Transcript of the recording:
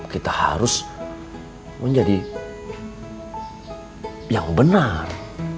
kita harus menjadi yang benar